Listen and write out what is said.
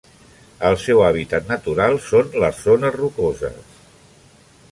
El seu hàbitat natural són les zones rocoses.